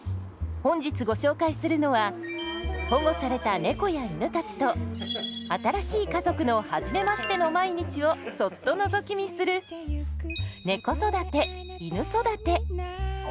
本日ご紹介するのは保護された猫や犬たちと新しい家族のはじめましての毎日をそっとのぞき見する「ねこ育ていぬ育て」。